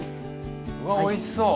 わおいしそう！